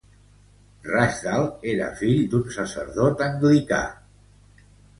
Rashdall era fill d'un sacerdot anglicà.